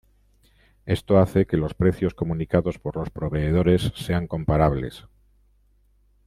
Esto hace que los precios comunicados por los proveedores sean comparables.